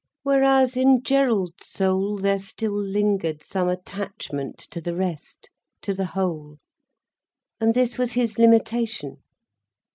Whereas in Gerald's soul there still lingered some attachment to the rest, to the whole. And this was his limitation.